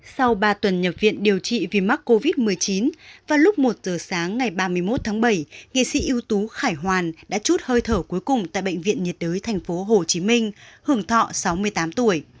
sau ba tuần nhập viện điều trị vì mắc covid một mươi chín vào lúc một giờ sáng ngày ba mươi một tháng bảy nghệ sĩ ưu tú khải hoàn đã chút hơi thở cuối cùng tại bệnh viện nhiệt đới tp hcm hưởng thọ sáu mươi tám tuổi